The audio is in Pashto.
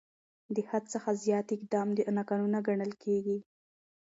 د حد څخه زیات اقدام ناقانونه ګڼل کېږي.